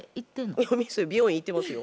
いや店美容院行ってますよ。